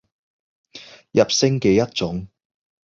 入聲嘅一種